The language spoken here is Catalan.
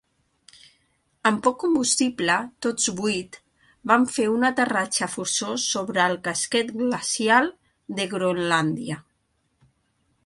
Amb poc combustible, tots vuit van ver un aterratge forçós sobre el casquet glacial de Groenlàndia.